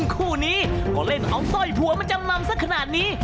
คู่นี้ก็เล่นเอาสร้อยผัวมาจำนำสักขนาดนี้